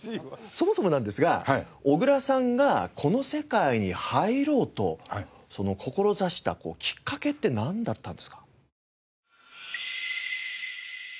そもそもなんですが小倉さんがこの世界に入ろうと志したきっかけってなんだったんですか？